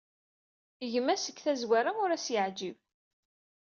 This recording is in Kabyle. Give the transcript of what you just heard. Gma, seg tazwara ur as-yeɛjib.